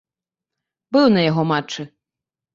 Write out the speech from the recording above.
Быў на яго матчы.